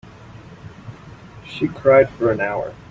She cried for an hour.